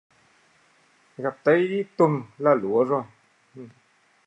Gặp Tây đi tuần là lúa rồi